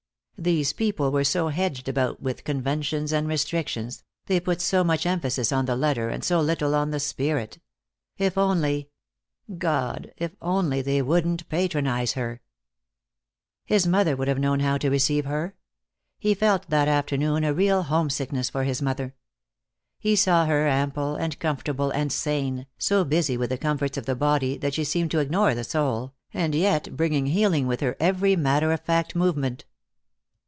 These people were so hedged about with conventions and restrictions, they put so much emphasis on the letter and so little on the spirit. If only God, if only they wouldn't patronize her! His mother would have known how to receive her. He felt, that afternoon, a real homesickness for his mother. He saw her, ample and comfortable and sane, so busy with the comforts of the body that she seemed to ignore the soul, and yet bringing healing with her every matter of fact movement.